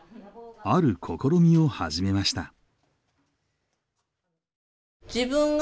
ある試みを始めました。